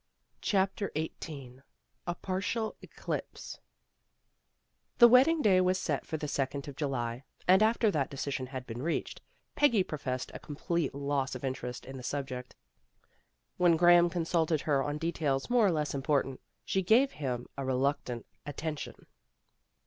CHAPTER XVIII A PARTIAL ECLIPSE THE wedding day was set for the second of July, and after that decision had been reached, Peggy professed a complete loss of interest in the subject. When Graham consulted her on details more or less important, she gave him a reluctant attention.